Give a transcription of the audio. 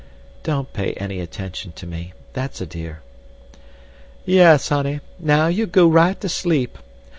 "Don't pay any attention to me—that's a dear." "Yes, honey; now you go right to sleep.